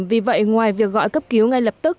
vì vậy ngoài việc gọi cấp cứu ngay lập tức